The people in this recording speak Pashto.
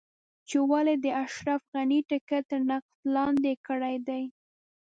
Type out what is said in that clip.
چې ولې دې د اشرف غني ټکټ تر نقد لاندې کړی دی.